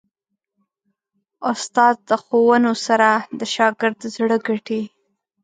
استاد د ښوونو سره د شاګرد زړه ګټي.